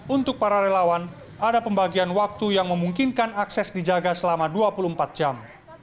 untuk para relawan ada pembagian waktu yang memungkinkan akses dijaga selama dua puluh empat jam